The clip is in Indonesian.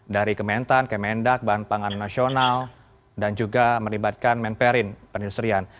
dari kementan kemendak bahan pangan nasional dan juga melibatkan menperin penindustrian